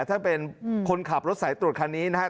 ก็เป็นคนขับรถศาสน์ตรวจคันี้นะครับ